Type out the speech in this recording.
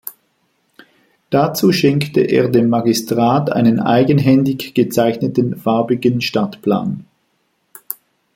Dazu schenkte er dem Magistrat einen eigenhändig gezeichneten farbigen Stadtplan.